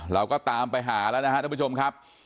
เราก็ตามไปหาแล้วนะครับท่านผู้ชมครับ